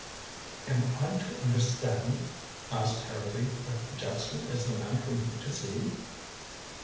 "Am I to understand," asked Harrowby, "that Jephson is the man for me to see?"